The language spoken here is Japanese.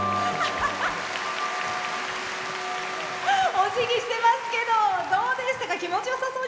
おじぎしてますけどどうでしたか？